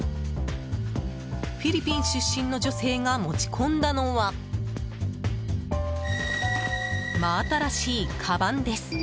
フィリピン出身の女性が持ち込んだのは真新しいかばんです。